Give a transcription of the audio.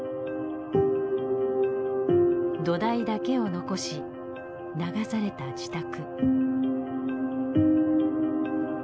土台だけを残し流された自宅。